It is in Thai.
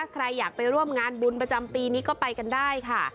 ใครอยากไปร่วมงานบุญประจำปีนี้ก็ไปกันได้ค่ะ